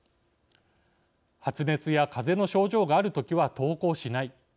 発熱やかぜの症状があるときは登校しない。